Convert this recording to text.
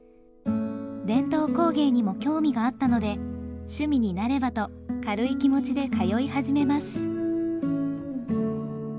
伝統工芸にも興味があったので趣味になればと軽い気持ちで通い始めます。